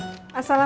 terusin aja sendiri